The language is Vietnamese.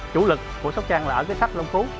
chủ lực của sốc trăng là ở cái sách long phú